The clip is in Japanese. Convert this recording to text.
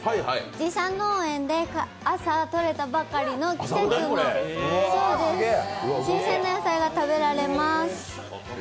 自社農園で朝とれたばかりの季節の新鮮な野菜が食べられます。